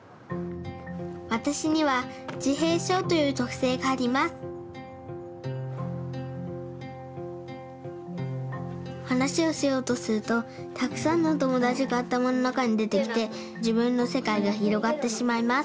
わたしにはじへいしょうというとくせいがありますはなしをしようとするとたくさんのおともだちがあたまのなかにでてきてじぶんのせかいがひろがってしまいます